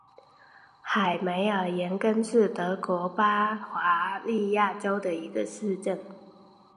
海梅尔廷根是德国巴伐利亚州的一个市镇。